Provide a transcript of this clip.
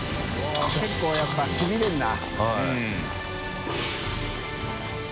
結構やっぱしびれるな。